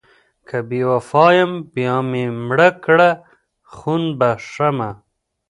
که بې وفا یم بیا مې مړه کړه خون بښمه...